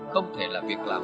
không thể là việc làm